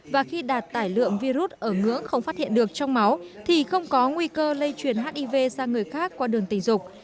và khi đạt tải lượng virus ở ngưỡng không phát hiện được trong máu thì không có nguy cơ lây truyền hiv sang người khác qua đường tình dục